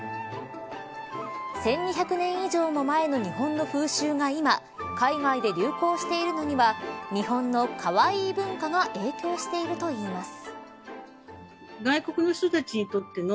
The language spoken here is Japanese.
１２００年以上も前の日本の風習が今、海外で流行しているのには日本のカワイイ文化が影響しているといいます。